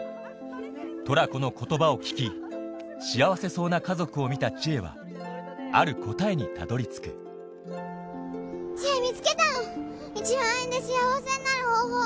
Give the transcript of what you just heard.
トラコの言葉を聞き幸せそうな家族を見た知恵はある答えにたどり着く知恵見つけたの１万円で幸せになる方法！